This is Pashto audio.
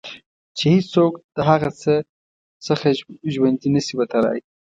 چې هېڅوک د هغه څخه ژوندي نه شي وتلای.